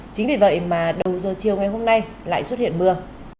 chính vì vậy mà đầu giờ chiều ngày hôm nay lại xuất hiện mưa